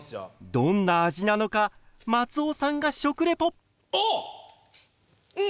どんな味なのか松尾さんが食レポ。